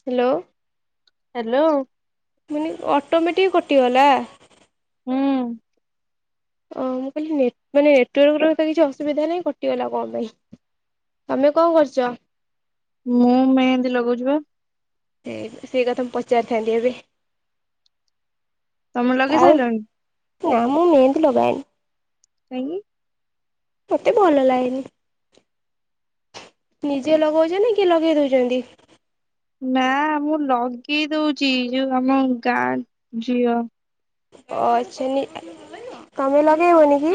Hello. Hello. ପୁଣି automatic କଟିଗଲା। ହୁଁ। ଓହୋ ମୁଁ କହିଲି ନେଟ ମାନେ ନେଟୱାର୍କ ର କିଛି ଅସୁବିଧା ନାହିଁ କଟିଗଲା କଣ ପାଇଁ। ତମେ କଣ କରୁଚ? ମୁଁ ମେହେନ୍ଦି ଲଗଉଚି ବା। ଏ ସେଇ କଥା ମୁଁ ପଚାରିଥାନ୍ତି ଏବେ। ତମେ ଲଗେଇ ଆଉ ସାରିଲଣି। ନା ମୁଁ ମେହେନ୍ଦୀ ଲଗାଏନି। କାଇଁକି? ମତେ ଭଲ ଲାଗେନି। ନିଜେ ଲଗଉଛନ୍ତି କିଏ ଲଗେଇ ଦଉଛନ୍ତି? ନା ମୁଁ ଲଗେଇ ଦଉଛି ଯୋଉ ଆମ ଗାଁ ଝିଅ। ଅ ଚିନି ତମେ ଲଗେଇବନିକି?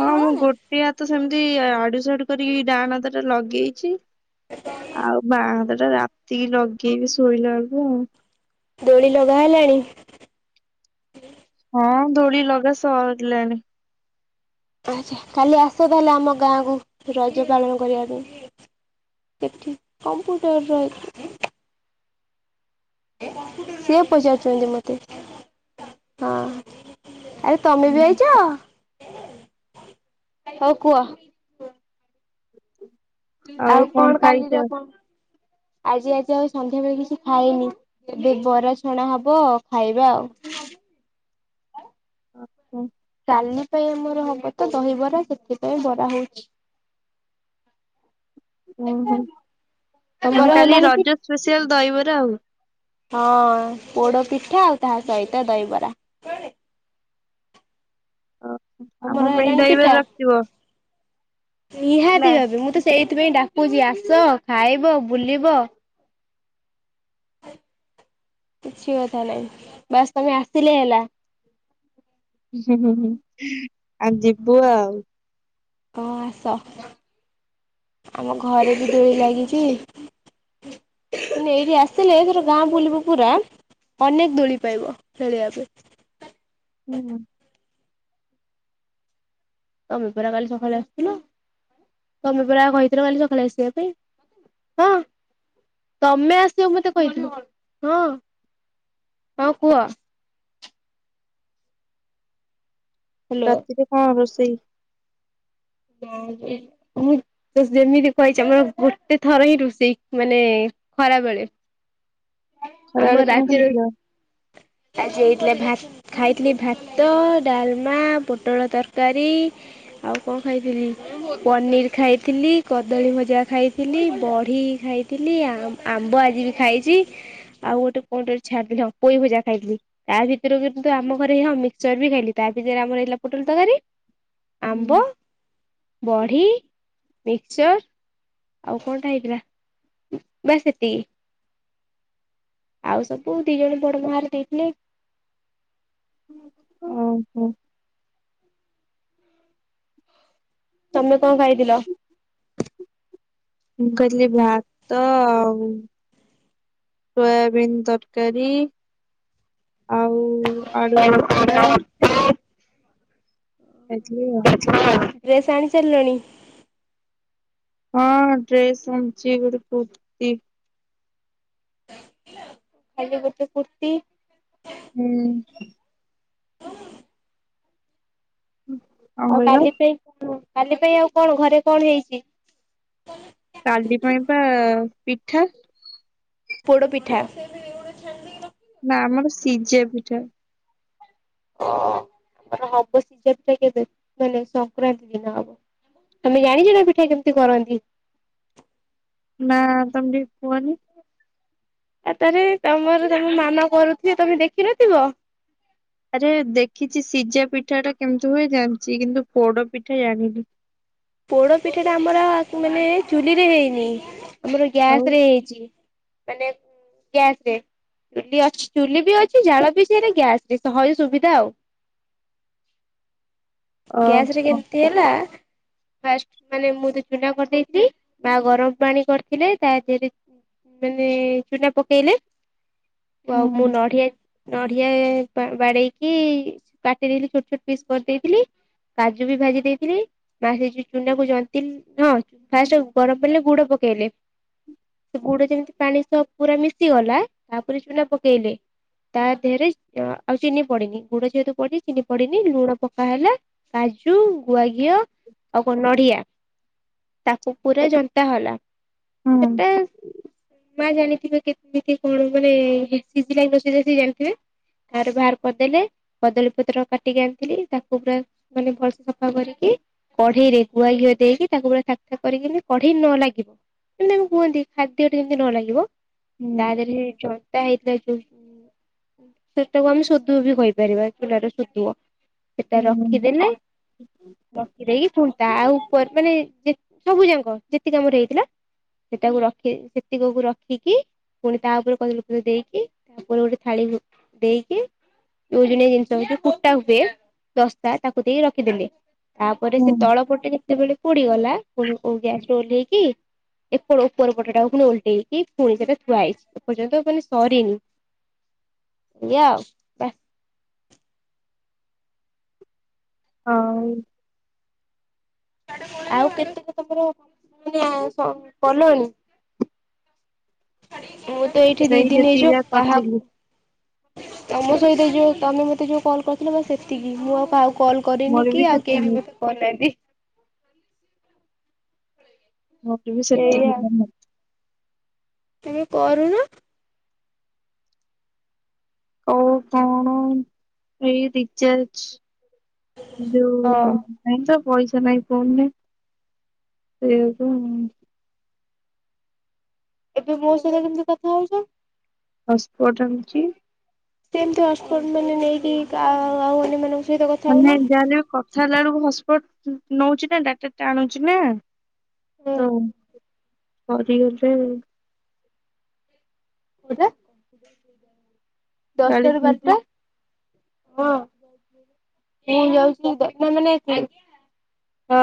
ହଁ ମୁଁ ଗୋଟେ ହାତ ସେମିତି ଆଡୁ ସାଡୁ କରିକି ଡାହାଣ ହାତଟା ଲଗେଇଛି। ଆଉ ବାଆ ହାତଟା ରାତିକି ଲଗେଇବି ଶୋଇଲା ବେଳକୁ ଆଉ। ଦୋଳି ଲଗା ହେଲାଣି? ହଁ ଦୋଳି ଲଗା ସରିଲାଣିି। ଆଚ୍ଛା କାଲି ଆସ ତାହେଲେ ଆମ ଗାଁକୁ ରଜ ପାଳନ କରିବା ପାଇଁ। ସେଠି କମ୍ପ୍ୟୁଟର ର ଅଛି। ସିଏ ପଚାରୁଛନ୍ତି ମତେ ହଁ ଆରେ। ତମେ ବି ହୁଁ ଆଇଛ ହଉ କୁହ? ଆଉ କଣ କାଲିର କଣ ଆଜି ଆଜି ଆଉ ସନ୍ଧ୍ୟା ବେଳେ କିଛି ଖାଇନି। ଏବେ ବରା ଛଣା ହବ ଖାଇବା ଆଉ। ଓହୋ। କାଲି ପାଇଁ ଆମର ହବ ତ ଦହିବରା ସେଥିପାଇଁ ବରା ହଉଛି। ଓହୋ ମାନେ ତମର କାଲି ହେଲାଣି କି? ରଜ ସ୍ପେସିଆଲ ଦହିବରା ଆଉ। ହଁ ପୋଡ଼ ପିଠା ଆଉ ତାହା ସହିତ ଦହିବରା। ଓହୋ ଆମ ତମର ପାଇଁ ହେଲାଣି ପିଠା? ଦହିବରା ରଖିଥିବ ହେଲା। ନିହାତି ହେବ ମୁଁ ତ ସେ ସେଇଥିପାଇଁ ଡାକୁଛି ଆସ ଖାଇବ, ବୁଲିବ। କିଛି କଥା ନାହିଁ ବାସ୍ ତମେ ଆସିଲେ ହେଲା। ହଁଁ ହୁଁ ଆଉ ଯିବୁ ଆଉ। ହଁ ଆସ। ଆମ ଘରେ ବି ଦୋଳି ଲାଗିଛି। ଏଇଠି ଆସିଲେ ଏଥର ଗାଁ ବୁଲିବୁ ପୁରା। ଅନେକ ଦୋଳି ପାଇବ ଖେଳିବା ପାଇଁ। ହୁଁ। ତମେ ପରା କାଲି ସକାଳେ ଆସୁଥିଲ। ତମେ ପରା କହିଥିଲ କାଲି ସକାଳେ ଆସିବା ପାଇଁ ହଁ। ତମେ ଆସିବ ମତେ କହିିଥିଲ। ହଁ ହଁ କୁହ। ହ୍ୟାଲୋ ରାତିରେ କଣ ରୋଷେଇ? କହଉଛି। ମୁଁ ଯେମିତି କହିଛି ଆମର ଗୋଟେ ଥର ହିଁ ରୋଷେଇ ମାନେ ଖରାବେଳେ। ଆମ ଖରାବେଳେ କଣ ରାତିରୁ ଖାଇଥିଲ? ଆଜି ହେଇଥିଲା ଭାତ। ଖାଇଥିଲି ଭାତ, ଡାଲମା, ପୋଟଳ ତରକାରୀ। ଆଉ କଣ ଖାଇଥିଲି। ପନିର ଖାଇଥିଲି, କଦଳୀ ଭଜା ଖାଇଥିଲି, ବଢି ଖାଇଥିଲି ଆମ୍ୱ ଆମ୍ବ ଆଜି ବି ଖାଇଛି। ଆଉ ଗୋଟେ କଣଟା ଛାଡିଦେଲି ପୋଇ ଭଜା ଖାଇଥିଲି। ତା ଭିତରୁ କିନ୍ତୁ ଆମ ଘରେଇ ହେଇନଥିଲା ମିକସର ବି ହେଇନି। ତା ଭିତରେ ଆମର ହେଇଲା ପୋଟଲ ତରକାରୀ। ହୁଁ। ଆମ୍ବ, ବଢ଼ି, ମିକ୍ଚର୍। ଆଉ କଣଟା ହେଇଥିଲା ବାସ୍ ଏତିକି। ଆଉ ସବୁ ଦି ଜଣ ବଡ ମା ଘର ଦେଇଥିଲେ। ଓହୋ। ତମେ କଣ ଖାଇଥିଲ? ମୁଁ ଖାଇଥିଲି ଭାତ ଆଉ ସୋୟାବିନ୍ ତରକାରୀ ଆଉ ଆଳୁ ଭର୍ତା। ଖାଇଥିଲି ଆଉ। ହଁ ଡ୍ରେସ୍ ଆଣି ସାରିଲଣି? ହଁ ଡ୍ରେସ୍ ଆଣିଛି ଗୋଟେ କୃତି। ଖାଲି ଗୋଟେ କୁର୍ତ୍ତିୀ। ହୁଁ। କଣ ଆଉ କହିଲ କାଲି ପାଇଁ କାଲି ପାଇଁ ଆଉ କଣ ଘରେ କଣ ହେଇଛି। କାଲି ପାଇଁ ପା ପିଠା। ପୋଡ଼ପିଠା। ନା ଆମର ସିଜା ପିଠା। ଅଁ ମାନେ ହବ [unintelligible] କେବେ କେବେ ମାନେ ସଂକ୍ରାନ୍ତି ଦିନ ହବ। ତମେ ଜାଣିଛ ନା ପିଠା କେମିତି କରନ୍ତି। ନା ତମେ ଟିକେ କୁଅନି। ଆ ତାରେ ତମର ତମ ମାମା କରୁଥିବେ ତମେ ଦେଖି ନଥିବ। ଆରେ ଦେଖିଛି ସିଝା ପିଠା ଟା କେମିତି ହୁଏ ଜାଣିଛି କିନ୍ତୁ ପୋଡ ପିଠା ଜାଣିନି। ପୋଡ ପିଠା ଟା ଆମର ମାନେ ଚୁଲି ରେ ହେଇନି ଆମର ଆଉ ଗ୍ୟାସରେ ହେଇଛି। ମାନେ ଗ୍ୟାସରେ। ଚୁଲି ଅଛିଚୁଲି ବି ଅଛି ଜାଳ ବି ସେଇ ଗ୍ୟାସରେ ସହଜ ସୁବିଧା ଆଉ। ଗ୍ୟାସରେ ଓହୋ କେମିତି ହେଲା। ଫାଷ୍ଟ ମାନେ ମୁଁ ତ ଚୁନା କରିଦେଇଥିଲି ମା ଗରମ ପାଣି କରିଥିଲେ ତା ଦେହରେ ମାନେ ଚୁନା ପକେଇଲେ ହୁଁ ଆଉ ମୁଁ ନଢ଼ିଆ ନଢ଼ିଆ ବା ବାଡେଇକି କାଟି ଦେଇଥିଲି ଛୋଟ ଛୋଟ ପିସ୍ କରିଦେଇଥିଲି। କାଜୁ ବି ଭାଜି ଦେଇଥିଲି ମା ସେଇ ଚୁନା କୁ ଜନ୍ତିଲ୍ ହଁ ଫାଷ୍ଟ ଗରମ ପାଣିଲେ ଗୁଡ ପକେଇଲେ। ସେ ଗୁଡ଼ ଯେମିତି ପାଣି ସହ ପୁରା ମିଶିଗଲା ତାପରେ ଚୁନା ପକେଇଲେ। ତା ଦେହରେ ଆଉ ଚିନି ପଡିନି ଗୁଡ ଯେହେତୁ ପଡିଛି ଚିନି ପଡିନି ଲୁଣ ପକା ହେଲା। କାଜୁ ଗୁଆ ଘିଅ ଆଉ କଣ ନଢ଼ିଆ ତାକୁ ପୁରା ଜନ୍ତା ହେଲା ହୁଁ ସେଟା ମା ଜାଣିଥିବେ କେମିତି କଣ ମାନେ ସିଝିଲା କି ନ ସିଜିଲା ସେ ଜାଣିଥିବେ। ତାର ବାହାର କରିଦେଲେ। କଦଳୀ ପତ୍ର କାଟିକି ଆଣିଥିଲି ତାକୁ ପୁରା ମାନେ ଭଲସେ ସଫା କରିକି। କଢେଇରେ ଗୁଆ ଘିଅ ଦେଇକି ତାକୁ ପୁରା ଥାକଥାକ କରିକିି କଢେଇ ନ ଲାଗିବ। ଏମତି ଆମେ କୁହନ୍ତି ଖାଦ୍ୟରେ ଯେମତି ନ ଲାଗିବ ତା ହୁଁ ଦେହରେ ଚ [unintelligible] ସେଟାକୁ ଆମେ ଶୋଧୁ ବି କହିପାରିବା ଚୁନା ର ଶୋଧୁଅ। ସେଟା ହୁଁ ରଖିଦେଲେ ଖୀ ଦେଇକି ଫୁନ୍ଟା ତା ଉପରେ ମାନେ ଜେ ସବୁ ଯାକ ଯେତିକି ଆମର ହେଇଥିଲା। ସେଟାକୁ ରଖି ସେତିକକୁ ରଖିକି ପୁଣି ତା ଉପରେ କଦଳୀ ପତ୍ର ଦେଇକି ଉପରେ ଗୋଟେ ଥାଳି ଦେଇକି ଓଜନିଆ ଜିନିଷ ହଉଛି କୁଟା ହୁଏ ଦସ୍ତା ତାକୁ ଦେଇ ରଖିଦେଲେ। ତାପରେ ସେ ହୁଁ। ତଳ ପଟେ ଯେତେବେଳେ ପୋଡିଗଲା ପୁଣି ଗ୍ୟାସରୁ ଓହ୍ଲେଇକି ଏପ ଉପର ପଟାକୁ ପୁଣି ଉଲଟେଇକି ପୁଣି ସେଟା ଥୁଆଇଛି। ଏ ପର୍ଯ୍ୟନ୍ତ ମାନେ ସରିନି ଏୟା ଆଉ। ବାସ୍ ହଁ ଆଉ କେତକ ତମର [unintelligible] କଲଣି। ମୋର ତ ଏଇଠି ଦି ସେଇ ଦିନ ଯେତିକି ହେଇଯିବ ଯାହା କାହାକୁ କରିଥିଲି ତମ ସହିତ ଯୋଉ ତମେ ମତେ ଯୋଉ କଲ୍ କରିଥିଲ ବାସ ସେତିକି ମୁଁ ଆଉ କାହାକୁ କଲ୍ କରିନି ମୋର ବି କି ଆଉ କେହି ବି ସେତିକି ମତେ କରିନାହାନ୍ତି। ମୋର ବି ସେତିକି। ତେମେ କରୁନ ଆଉ କଣ ଏଇ ରିଚାର୍ଜ ଯୋଉ ହଁ ନାଇଁ ତ ପଇସା ନହିଁ ଫୋନ୍ ରେ ସେଇଆ ତ। ଏବେ ମୋ ସହିତ କେମିତି କଥା ହଉଛ? ହସପୋର୍ଟ ଆଣିଛି। କେମତି ହଟ୍ ସ୍ବଟ୍ ମାନେ ନେଇକି କା ଆଉ ଅନ୍ୟମାନେ ମାନେ ଯାହେଲେ ବି କଥା ହେଲା ବେଳୁକୁ ହଟ୍ ସ୍ପଟ୍ ନଉଚି ନା ଡାଟା ଟାଣୁଚି ନା ହୁଁ ତ ପରି ଗୋଟେ ଉ କୋଉଟା ଦଶଟା ଚାଳିଶ ରୁ ମିନିଟ ବାରଟା। ହଁ ମୁଁ ଯାଉଚି ମାନେ [inaudible] ହଁ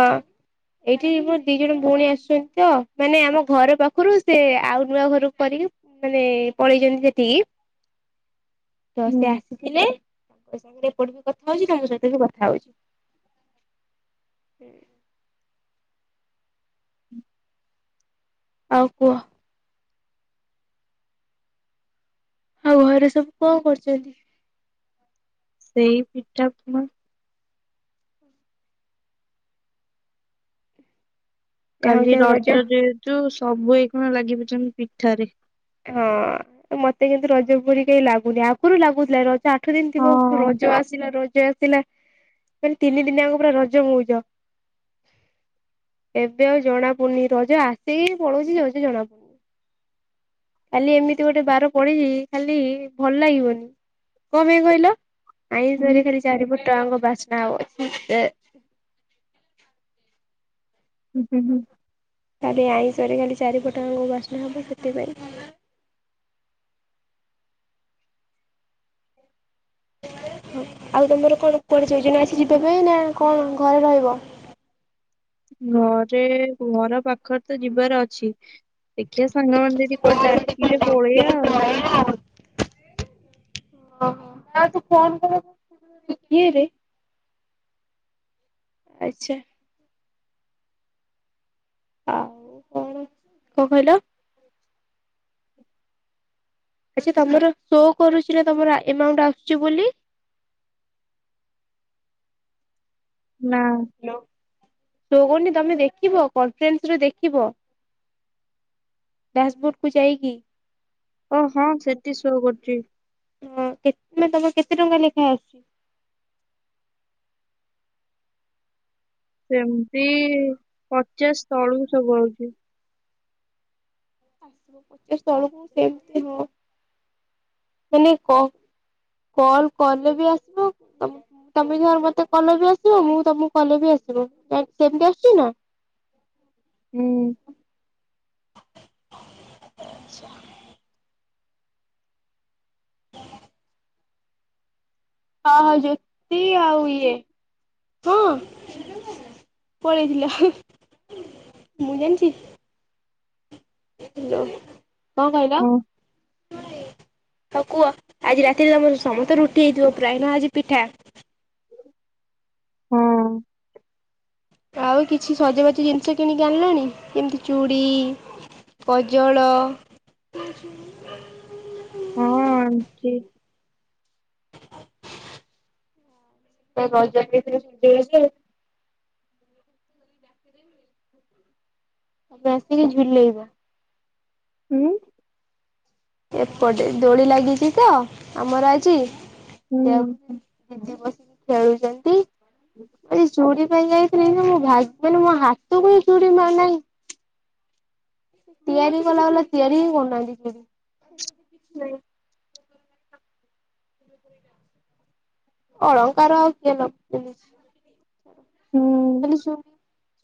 ଏଇଠି ମୋର ଦି ଜଣ ଭଉଣୀ ଆସିଛନ୍ତି ତ ମାନେ ଆମ ଘର ପାଖୁରୁ ସେ ଆଉ ନୂଆ ଘରୁକୁ କରିକି ମାନେ ପଳେଇଚନ୍ତି ସେଠିକି ତ ହୁଁ ସେ ଆସି ଥିଲେ ତାଙ୍କ ସାଙ୍ଗରେ ଏପଟେ ବି କଥା ହଉଚି ତମ ସହିତ ବି କଥା ହଉଚି। ଆଉ ପୁଅ ଆଉ ଘରେ ସବୁ କଣ କରୁଚନ୍ତି? ସେଇ ପିଠା ପଣା ଯାହା ହଉଛି କାଲି ଆଉ ରଜ ଯେହେତୁ ସବୁ ଏଇଖୁଣା ଲାଗି ପଡିଚନ୍ତି ପିଠାରେ। ହଁ ମତେ କିନ୍ତୁ ରଜ ପୁରି କେଇ ଲାଗୁନି ଆଗୁରୁ ଲାଗୁଥିଲା ଏ ରଜ ଆଠ ଦିନି ହଁ ଥିବ ରଜ ଆସିଲା ରଜ ଆସିଲା ମାନେ ତିନି ଦିନି ଆଙ୍କ ପୁରା ରଜ ମଉଜ। ଏବେ ଆଉ ଜଣା ପଡ଼ୁନି ରଜ ଆସିକି ପଳଉଚି ଯାଉଚି ଜଣା ପଡୁନି। କାଲି ଏମିତି ଗୋଟେ ବାର ପଡିଚି କାଲି ଭଲ ଲାଗିବନି କଣ ପାଇଁ କହିଲ? ହୁଁ ଆଇଁଷରେ ଖାଲି ଚାରିପଟଆଙ୍କ ବାସ୍ନା ହବ ଏ। ହୁଁ ହୁଁ ହୁଁ। କାଲି ଆଇଁଷରେ କାଲି ଚାରିପଟଯାଙ୍କ ବାସ୍ନା ହବ ସେଥିପାଇଁ। [inaudible] ହଉ ଆଉ ତମର କଣ କୁଆଡେ ଯୋଜନା ଅଛି ଯିବା ପାଇଁ ନା କଣ ଘରେ ରହିବ? ଘରେ ଘର ପାଖରେ ତ ଯିବାର ଅଛି ଦେଖିଆ ସାଙ୍ଗମାନେ ଯଦି କୁଆଡେ ଡାକିିଲେ ପଳେଇଆ ଆଉ। ଅହ ଯାହାହଉ ତୁ ଫୋନ କରୁଚୁ [inaudible] ରେ। ଆଚ୍ଛା। ଆଉ କଣ କଣ କହିଲ ଆଚ୍ଛା ତମର ଶୋ କରୁଚି ନା ତମର ଆ ଏମାଉଣ୍ଟ୍ ଆସୁଚି ବୋଲି? ନାଁ। ହେଲୋ ଶୁଭୁନି ତମେ ଦେଖିବ କଲ୍ ଫେନ୍ସରେ ଦେଖିବ। ଡ୍ୟାସବୋଡ୍ କୁ ଯାଇକି ଓ ହଁ ସେଠି ସୋ କରୁଚି। ହଁ କେତେ ଦିନ ତମ କେତେ ଟଙ୍କା ଲେଖା ଆସୁଚି? ସେମତି ପଚାଶ ତଳୁକୁ ସବୁ ଆଉଚି। ଆସିବ ପଚାଶ ତଳୁକୁ ସେମତି ହଁ ମାନେ କ କଲ୍ କଲେ ବି ଆସିବ ତମୁ ତମେ ଧର ମତେ କଲେ ବି ଆସିବ ମୁଁ ତମୁକୁ କଲେ ବି ଆସିବ ସେମତି ଆସୁଚି ନା ହୁଁ ଆଚ୍ଛା [inaudible] [inaudible] ହ ହ ଜ୍ୟୋତି ଆଉ ଇଏ ହଁ। ପଳେଇଥିଲା ମୁଁ ଜାଣିଚି ହିଲୋ କଣ କହିଲ? ହଁ ହଉ କୁଅ ଆଜି ରାତିରେ ତମର ସମସ୍ତେ ରୁଟି ହେଇଥିବ ପ୍ରାୟେ ନା ଆଜି ପିଠା। ହଁ। ଆଉ କିଛି ସଜବାଜ ଜିନିଷ କିଣିକି ଆଣିଲଣି ଯେମିତି ଚୁଡ଼ି କଜଳ କଜଳ ଲାଗେ ହଁ କି [inaudible] ସେ ରଜ ଯାଇଥିଲେ ସବୁ ଦୋଳିଖେଳି [inaudible] ବସିକି ଝୁଲେଇବ। ହୁଁ। ଏପଟେ ଦୋଳି ଲାଗିଛି ତ ଅମର ଆଜି ହୁଁ ସେଆକୁ ଦିଦି ବସିକି ଖେଳୁଛନ୍ତି ଏ ଚୋରି ପାଇଁ ଯାଇଥିଲି ଭାଇ ମାନେ ମୋ ହାତକୁ ଚୁଡ଼ି ନାଁ ନାଇଁ। ତିଆରି କଲା ଵାଲା ତିଆରି ହିଁ କରୁନାହାନ୍ତି ସେ ସେ [inaudible] ଅଳଙ୍କାର ଆଉ କିଏ ଲଗେଉଛି? ହୁଁ ଖାଲି ଚୁ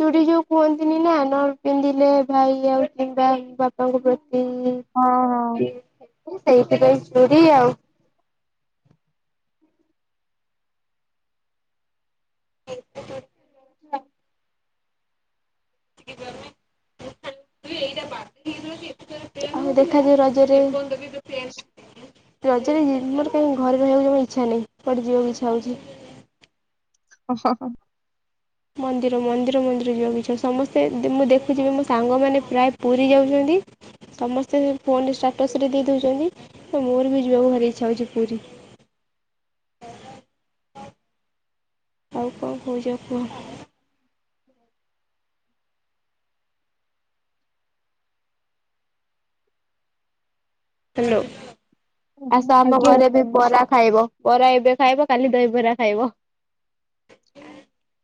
ଚୁଡ଼ି ଯୋଉ କୁହନ୍ତି ନି ନା ନ ପିନ୍ଧିଲେ ଭାଇ ଆଉ କିମ୍ବା ବାପାଙ୍କ ପ୍ରତି ହଁ ହଁ। ସେଇଥିପାଇଁ ଚୁଡ଼ି ଆଉ [unintelligible] ଆଉ ଦେଖାଯାଉ ରଜରେ ର ଜରେ ମୋର କାହିଁ ଘରେ ରହିବାକୁ ଜମା ଇଛା ନାହିଁ। କୁଆଡେ ଯିବାକୁ ଇଚ୍ଛା ହଉଛି। ଅ ହ ହ। ମନ୍ଦିର ମନ୍ଦିର ମନ୍ଦିର ଯିବାକୁ ଇଚ୍ଛା ହେଉଛି। ସମସ୍ତେ ମୁଁ ଦେଖୁଛି ମୋ ସାଙ୍ଗମାନେ ପ୍ରାୟ ପୁରୀ ଯାଉଛନ୍ତି। ସମସ୍ତେ ଫୋନରେ ଷ୍ଟାଟସ ରେ ଦେଇ ଦେଉଛନ୍ତି ତ ମୋର ବି ଯିବାକୁ ଭାରିଇଚ୍ଛା ହେଉଛି ପୁରୀ। ଆଉ କଣ କହୁଛ କୁହ। ହେଲୋ ହଁ ଆସ ହଁ, ଆମ ଆଜ୍ଞା ଘରେ ଏବେ ବରା ଖାଇବ ବରା ଏବେ ଖାଇବ କାଲି ଦହି ବରା ଖାଇବ।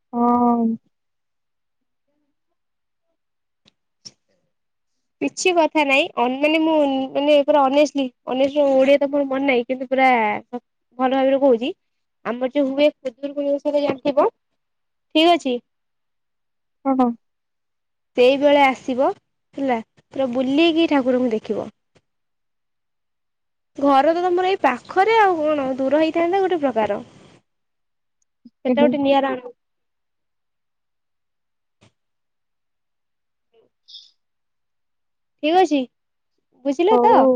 ହଁ। କିଛି କଥା ନାଇଁ ଅନ ମାନେ ମୁଁ ମାନେ ପୁରା ଅନେଷ୍ଟଲି ଅନେଷ୍ଟିଲି ଓଡିଆ ତ ମନେ ନାହିଁ କିନ୍ତୁ ପୁରା ଭଲ ଭାବରେ କହୁଛି। ଆମର ଯୋଉ ହୁଏ ଖୁଦୁରୁକୁଣୀ ଓଷାରେ ଜାଣିଥିବ ଠିକ ଅଛି ଓହୋ। ସେଇ ବେଳେ ଆସିବ ହେଲା ପୁରା ବୁଲିକି ଠାକୁରଙ୍କୁ ଦେଖିବ। ଘର ତ ତମର ଏଇ ପାଖରେ ଆଉ କଣ ଦୂର ହେଇଥାନ୍ତା ଗୋଟେ ପ୍ରକାର। ସେଟା ହଁ, ଗୋଟେ ନିଆରା ଅନୁଭୂତି। ଠିକ ଅଛି ବୁଝିଲ ତ? ହଉ